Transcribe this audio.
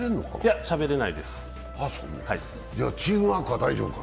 じゃ、チームワークは大丈夫かな？